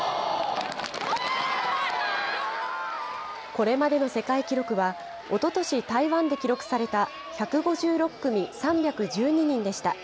これまでの世界記録は、おととし台湾で記録された１５６組３１２人でした。